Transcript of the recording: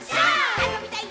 あそびたい！